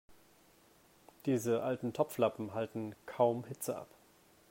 Diese alten Topflappen halten kaum Hitze ab.